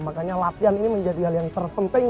makanya latihan ini menjadi hal yang terpenting